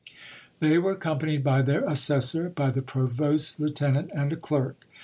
They were accompanied by their assessor, by the provost's lieutenant, and a clerk.